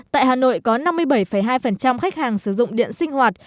tại hà nội có năm mươi bảy hai khách hàng sử dụng điện sinh hoạt